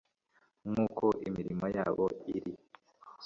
nk uko imirimo yabo iri